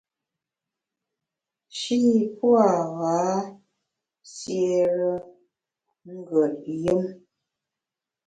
Shî pua’ gha siére ngùet yùm.